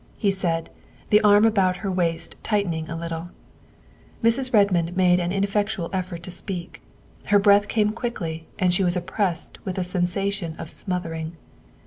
he said, the arm about her waist tightening a little. Mrs. Redmond made an ineffectual effort to speak; her breath came quickly and she was oppressed with a sensation of smothering.